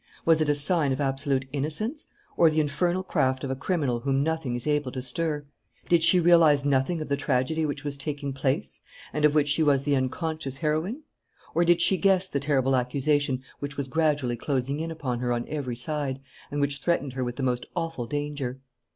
Was it a sign of absolute innocence, or the infernal craft of a criminal whom nothing is able to stir? Did she realize nothing of the tragedy which was taking place and of which she was the unconscious heroine? Or did she guess the terrible accusation which was gradually closing in upon her on every side and which threatened her with the most awful danger?